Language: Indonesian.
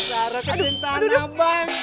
maisaroh kesintahan abang